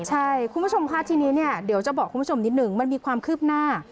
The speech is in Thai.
ใช่คุณผู้ชมค่ะทีนี้เนี่ยเดี๋ยวจะบอกคุณผู้ชมนิดนึงมันมีความคืบหน้า